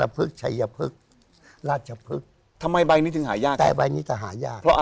เพราะอะไรฮะ